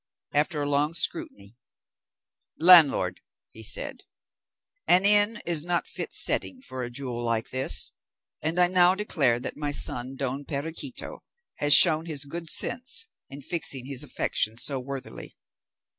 After a long scrutiny, "Landlord," he said, "an inn is not fit setting for a jewel like this, and I now declare that my son Don Perequito has shown his good sense in fixing his affections so worthily.